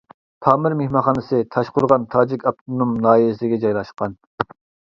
پامىر مېھمانخانىسى تاشقورغان تاجىك ئاپتونوم ناھىيەسىگە جايلاشقان.